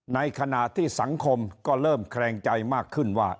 ในขณะที่สังคมก็เริ่มแคลงใจมากขึ้นว่า